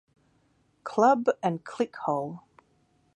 Club" and "ClickHole".